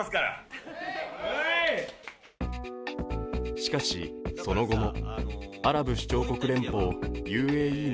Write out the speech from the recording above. しかし、その後もアラブ首長国連邦・ＵＡＥの